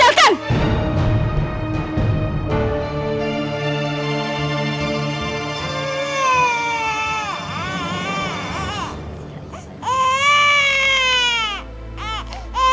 karena aku tidak bisa melihatmu